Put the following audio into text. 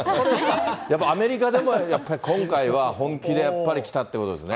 やっぱアメリカでも、やっぱ今回は本気でやっぱりきたということですね。